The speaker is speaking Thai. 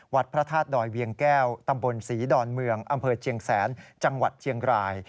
พระธาตุดอยเวียงแก้วตำบลศรีดอนเมืองอำเภอเชียงแสนจังหวัดเชียงราย